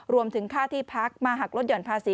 รวมถึงค่าที่พักมาหักลดห่อนภาษี